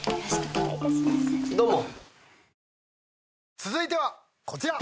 どうも。